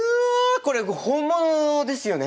これ本物ですよね？